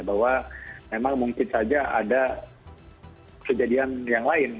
bahwa memang mungkin saja ada kejadian yang lain